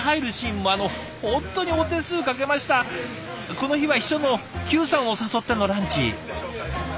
この日は秘書の邱さんを誘ってのランチ。